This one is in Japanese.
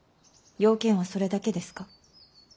用件はそれだけですか。